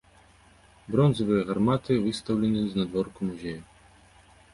Бронзавыя гарматы выстаўлены знадворку музея.